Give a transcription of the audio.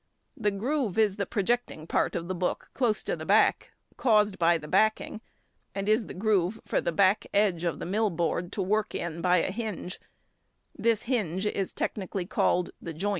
The groove is the projecting part of the book close to the back, caused by the backing, and is the groove for the back edge of the mill board to work in by a hinge; this hinge is technically called the "joint."